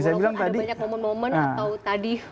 walaupun ada banyak momen momen atau tadi